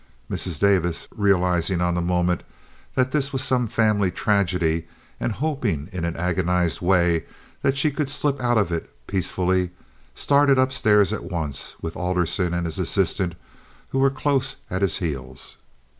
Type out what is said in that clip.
Mrs. Davis, realizing on the moment that this was some family tragedy, and hoping in an agonized way that she could slip out of it peacefully, started upstairs at once with Alderson and his assistants who were close at his heels.